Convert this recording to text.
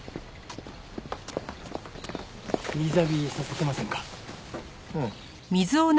水浴びさせてませんか？